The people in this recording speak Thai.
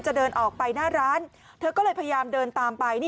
เดินออกไปหน้าร้านเธอก็เลยพยายามเดินตามไป